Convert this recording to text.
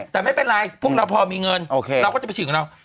แต่ไม่เป็นไรพวกเราพอมีเงินเราก็จะไปฉีดกับเรา